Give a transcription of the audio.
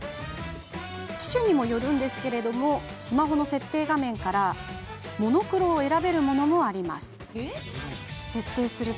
機種にもよりますがスマホの設定画面からモノクロを選べるものもあります。